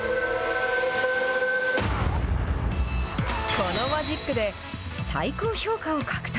このマジックで、最高評価を獲得。